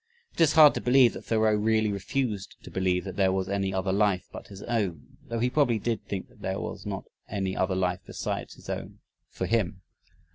It is hard to believe that Thoreau really refused to believe that there was any other life but his own, though he probably did think that there was not any other life besides his own for him.